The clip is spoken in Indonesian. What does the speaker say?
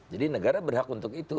jadi negara berhak untuk itu